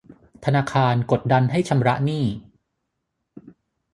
ธนาคารกดดันให้ชำระหนี้